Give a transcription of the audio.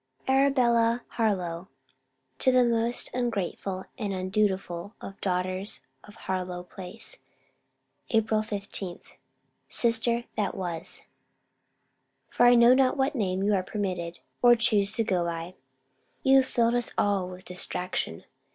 ARABELLA HARLOWE. TO THE MOST UNGRATEFUL AND UNDUTIFUL OF DAUGHTERS HARLOWE PLACE, APRIL 15. SISTER THAT WAS! For I know not what name you are permitted, or choose to go by. You have filled us all with distraction.